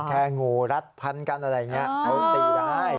งูรัดพันกันอะไรอย่างนี้เขาตีได้